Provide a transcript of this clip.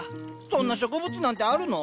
そんな植物なんてあるの？